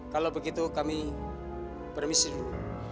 kalau begitu kami bermisi dulu